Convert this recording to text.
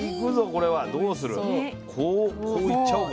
こうこういっちゃおうか。